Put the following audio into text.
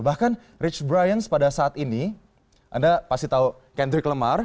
bahkan rich brian pada saat ini anda pasti tahu kendrick lamar